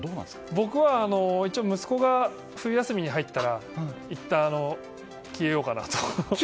僕は一応息子が冬休みに入ったらいったん消えようかなと。